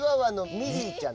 ミリィちゃん。